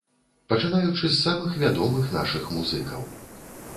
Пачынаючы з самых вядомых нашых музыкаў.